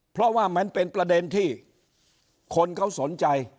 เพราะว่ามันเป็นประเด็นที่คนเขาสนใจ